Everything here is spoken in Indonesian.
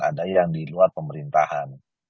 ada yang di luar pemerintahan